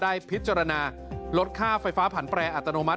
ได้พิจารณาลดค่าไฟฟ้าผันแปรอัตโนมัติ